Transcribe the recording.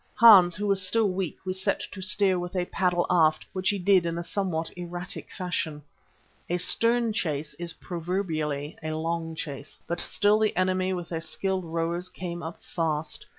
Hans, who was still weak, we set to steer with a paddle aft, which he did in a somewhat erratic fashion. A stern chase is proverbially a long chase, but still the enemy with their skilled rowers came up fast.